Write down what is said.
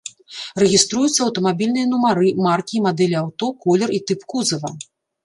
Рэгіструюцца аўтамабільныя нумары, маркі і мадэлі аўто, колер і тып кузава.